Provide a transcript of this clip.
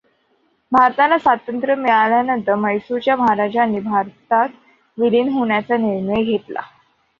भारताला स्वातंत्र्य मिळाल्यानंतर म्हैसूरच्या महाराजांनी भारतात विलीन होण्याचा निर्णय घेतला.